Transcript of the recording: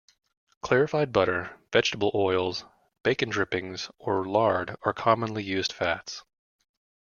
Clarified butter, vegetable oils, bacon drippings or lard are commonly used fats.